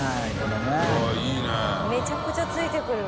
めちゃくちゃ付いてくる。